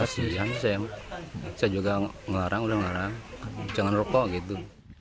saya juga mengarang udah mengarang jangan rokok gitu